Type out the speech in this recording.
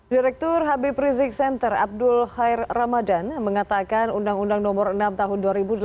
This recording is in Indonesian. direktur habib rizik center abdul khair ramadan mengatakan undang undang nomor enam tahun dua ribu delapan belas